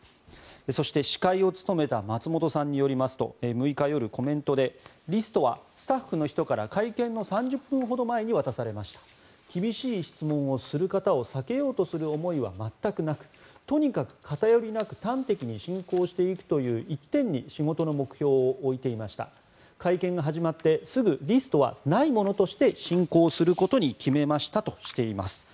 そして、司会を務めた松本さんによりますと６日夜コメントでリストはスタッフの人から会見の３０分ほど前に渡されました厳しい質問をする方を避けようとする思いは全くなくとにかく偏りなく端的に進行していくという一点に仕事の目標を置いていました会見が始まってすぐリストはないものとして進行することに決めましたとしています。